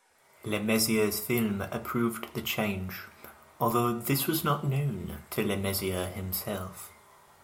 LeMessurier's firm approved the change, although this was not known to LeMessurier himself.